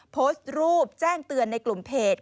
โพสต์รูปแจ้งเตือนในกลุ่มเพจ